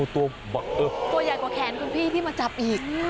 ตัวใหญ่กว่าแขนคุณพี่ที่มาจับอีก